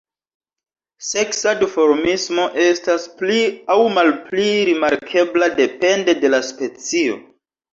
Seksa duformismo estas pli aŭ malpli rimarkebla depende de la specio.